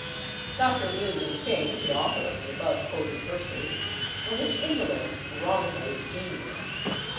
Dr. William King, the author of the above quoted verses, was an indolent, wrong headed genius.